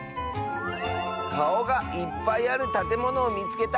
「かおがいっぱいあるたてものをみつけた！」。